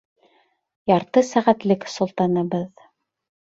— Ярты сәғәтлек, солтаныбыҙ.